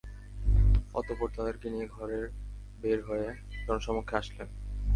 অতঃপর তাদেরকে নিয়ে ঘরের বের হয়ে জনসমক্ষে আসলেন।